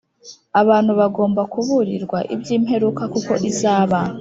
Abantu bagomba kuburirwa iby imperuka kuko izaba